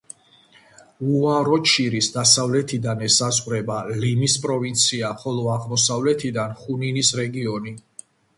უაროჩირის დასავლეთიდან ესაზღვრება ლიმის პროვინცია, ხოლო აღმოსავლეთიდან ხუნინის რეგიონი.